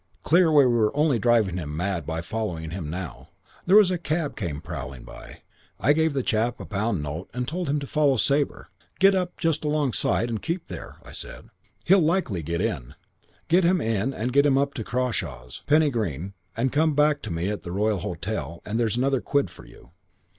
Clear we were only driving him mad by following him now. There was a cab came prowling by. I gave the chap a pound note and told him to follow Sabre. 'Get up just alongside and keep there,' I said. 'He'll likely get in. Get him in and take him up to Crawshaws, Penny Green, and come back to me at the Royal Hotel and there's another quid for you.'